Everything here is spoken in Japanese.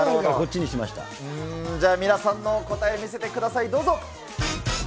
じゃあ、皆さんの答え見せてください、どうぞ。